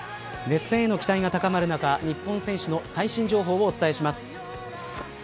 熱戦への期待が高まる中日本選手の最新情報をお伝えします。